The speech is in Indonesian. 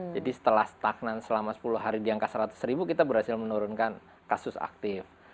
jadi setelah stagnan selama sepuluh hari di angka seratus kita berhasil menurunkan kasus aktif